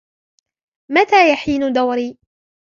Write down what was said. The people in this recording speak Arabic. متى يحين دوري؟